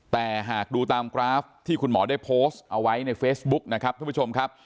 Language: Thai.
แต่หากดูตามกราฟที่คุณหมอได้โพสต์เอาไว้ในเฟซบุ๊กนะครับทุกผู้ชมครับ